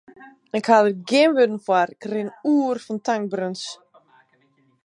Ik ha der gjin wurden foar, ik rin oer fan tankberens.